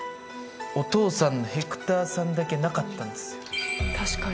お父さんのヘクターさんだけなかったんですよ。